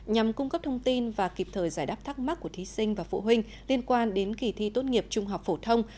nhằm cung cấp thông tin và kịp thời giải đáp thắc mắc của thí sinh và phụ huynh liên quan đến kỳ thi tốt nghiệp trung học phổ thông